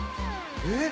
えっ？